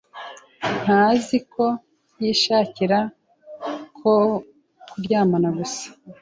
ntaziko yishakira ko turyamana gusa,